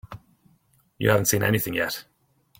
You haven't seen anything yet.